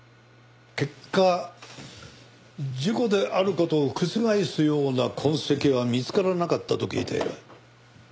結果事故である事を覆すような痕跡は見つからなかったと聞いている。